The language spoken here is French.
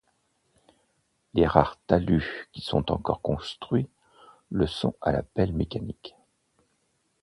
Les rares talus qui sont encore construits le sont à la pelle mécanique.